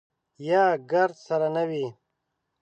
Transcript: یا ګرد سره نه وي.